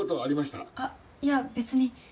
あいや別に。